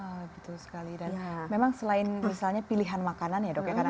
oh gitu sekali dan memang selain misalnya pilihan makanan ya dok ya karena